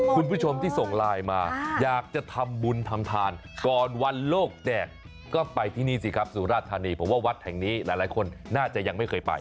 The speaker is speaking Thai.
คุณผู้ชมที่ส่งไลน์มาอยากจะทำบุญทำทานก่อนวันโลกแดดก็ไปที่นี่สิครับสุราธานีผมว่าวัดแห่งนี้หลายคนน่าจะยังไม่เคยไป